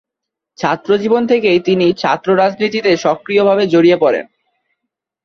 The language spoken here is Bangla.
ছাত্র জীবন থেকেই তিনি ছাত্র রাজনীতিতে সক্রিয়ভাবে জড়িয়ে পড়েন।